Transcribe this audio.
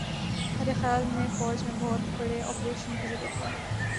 ارے خیال میں فوج میں بہت بڑے آپریشن کی ضرورت ہے